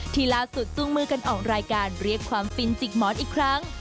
ล่าสุดจูงมือกันออกรายการเรียกความฟินจิกหมอนอีกครั้ง